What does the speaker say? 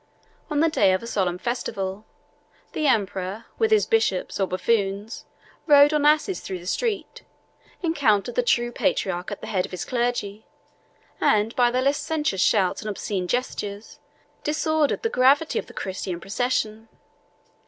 On the day of a solemn festival, the emperor, with his bishops or buffoons, rode on asses through the streets, encountered the true patriarch at the head of his clergy; and by their licentious shouts and obscene gestures, disordered the gravity of the Christian procession.